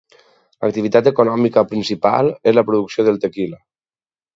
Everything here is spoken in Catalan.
L'activitat econòmica principal és la producció del tequila.